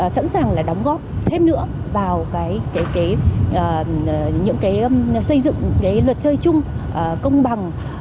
sẵn sàng là đóng góp thêm nữa vào những cái xây dựng cái luật chơi chung công bằng